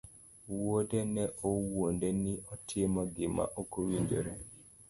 wuode ne owuonde ma otimo gima okowinjore.